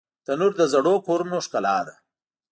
تنور د زړو کورونو ښکلا ده